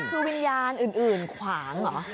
คือวิญญาณอื่นขวางเหรอ